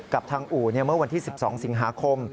กับทางอู่เมื่อวันที่๑๒สิงหาคม